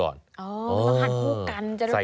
อ๋อต้องคัดพูดกันจะรสชาติ